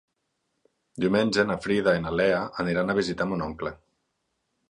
Diumenge na Frida i na Lea aniran a visitar mon oncle.